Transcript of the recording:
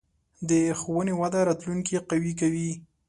د ښوونې وده راتلونکې قوي کوي.